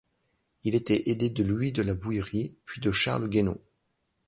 Il était aidé de Louis de la Bouillerie, puis de Charles Guénau.